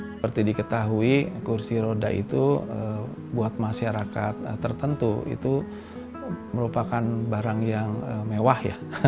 seperti diketahui kursi roda itu buat masyarakat tertentu itu merupakan barang yang mewah ya